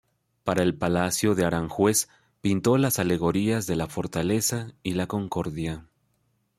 Para el Palacio de Aranjuez pintó las alegorías de la "Fortaleza" y la "Concordia".